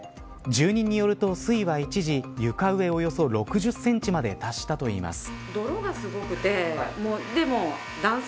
住人によると水位は、一時床上およそ６０センチまで達したといいます。